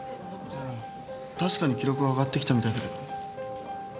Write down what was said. ああ確かに記録は上がってきたみたいだけど。